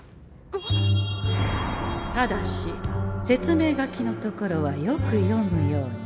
ただし説明書きのところはよく読むように。